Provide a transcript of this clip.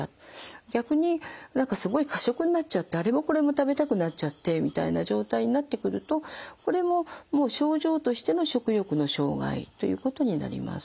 逆に何かすごい過食になっちゃってあれもこれも食べたくなっちゃってみたいな状態になってくるとこれももう症状としての食欲の障害ということになります。